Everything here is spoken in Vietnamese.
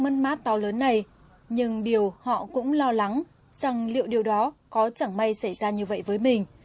mất mát to lớn này nhưng điều họ cũng lo lắng rằng liệu điều đó có chẳng may xảy ra như vậy với mình